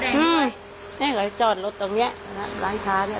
อืมเนี่ยก็จะจอดรถตรงเนี้ยแล้วนะร้านค้าเนี้ย